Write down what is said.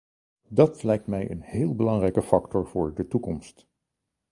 Dat lijkt mij een heel belangrijke factor voor de toekomst.